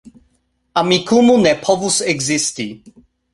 Amikumu ne povus ekzisti